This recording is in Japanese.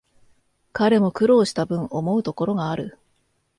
彼も苦労したぶん、思うところがある